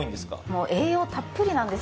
もう栄養たっぷりなんですよ。